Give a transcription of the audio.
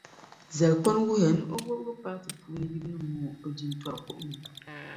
zalikpani wuhiya ni o Wɔbigu paati puuni yibu ni mɔŋɔ o jintɔri kuɣ ŋɔ.